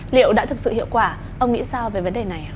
liệu đã thực sự hiệu quả ông nghĩ sao về vấn đề này